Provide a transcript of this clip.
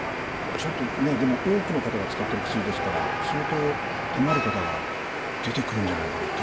ちょっとねえでも多くの方が使ってる薬ですから相当困る方が出てくるんじゃないかなって気はするんですけど。